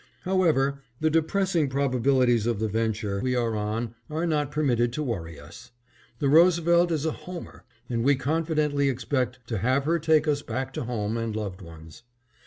However, the depressing probabilities of the venture we are on are not permitted to worry us. The Roosevelt is a "Homer" and we confidently expect to have her take us back to home and loved ones.